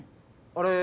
あれ？